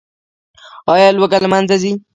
آیا لوږه له منځه ځي؟